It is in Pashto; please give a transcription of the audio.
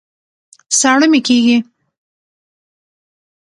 ساړه مي کېږي